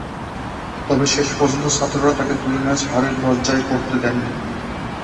তবে শেষ পর্যন্ত ছাত্ররা তাঁকে দুই ম্যাচ হারের লজ্জায় পড়তে দেননি।